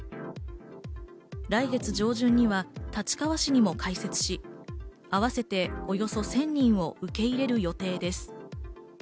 来月上旬には立川市にも開設し、あわせておよそ１０００人を受け入れる予定です。